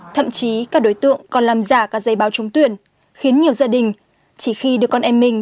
thậm chí các đối tượng còn làm giả các giấy báo trúng tuyển khiến nhiều gia đình chỉ khi đưa con em mình đến nhập học mới biết bị lừa